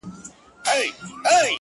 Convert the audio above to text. له ډيره وخته مو لېږلي دي خوبو ته زړونه؛